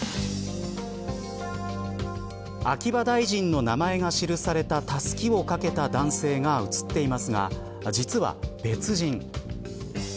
秋葉大臣の名前が記されたたすきをかけた男性が写っていますが実は別人。